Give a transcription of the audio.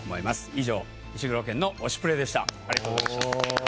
以上、石黒賢の「推しプレ！」でした。